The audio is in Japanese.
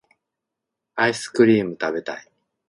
アイスクリームたべたい